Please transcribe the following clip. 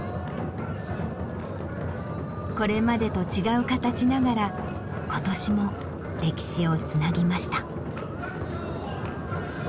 これまでと違う形ながら今年も歴史をつなぎました。